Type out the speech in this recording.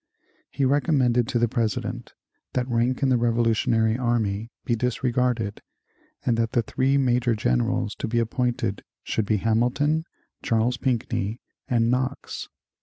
He recommended to the President that rank in the Revolutionary army be disregarded and that the three major generals to be appointed should be Hamilton, Charles Pinckney, and Knox.